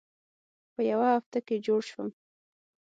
په یوه هفته کې جوړ شوم.